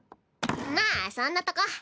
まあそんなとこ。